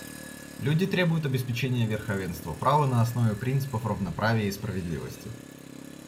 Люди требуют обеспечения верховенства права на основе принципов равноправия и справедливости.